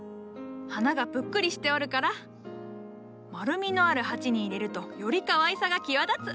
花がぷっくりしておるから丸みのある鉢に入れるとよりかわいさが際立つ。